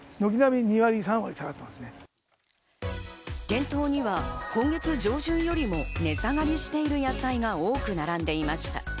店頭には今月上旬よりも値下がりしている野菜が多く並んでいました。